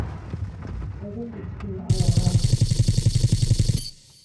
Hedefiçkimi aya va rt̆u.